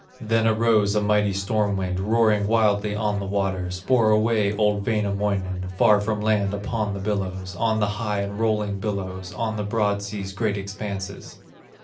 Then arose a mighty storm wind, Roaring wildly on the waters, Bore away old Wainamoinen Far from land upon the billows, On the high and rolling billows, On the broad sea's great expanses.